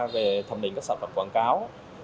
về thẩm định các sản phẩm quảng cáo